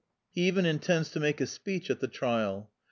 He even intends to make a speech at the trial.